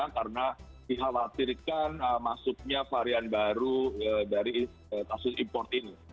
karena dikhawatirkan masuknya varian baru dari kasus import ini